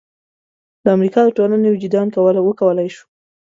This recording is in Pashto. د امریکا د ټولنې وجدان وکولای شول.